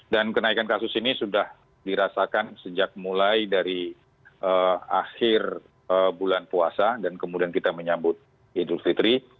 dan kenaikan kasus ini sudah dirasakan sejak mulai dari akhir bulan puasa dan kemudian kita menyambut idul fitri